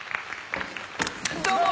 どうも！